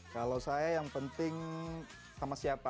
kalau saya yang penting sama siapa